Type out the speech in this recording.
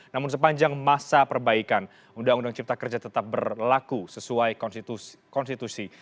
namun sepanjang masa perbaikan undang undang cipta kerja tetap berlaku sesuai konstitusi